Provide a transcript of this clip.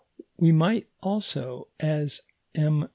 We might also, as M.